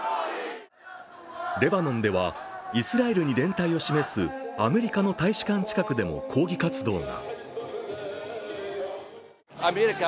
レバノンではイスラエルに連帯を示すアメリカの大使館近くでも抗議活動が。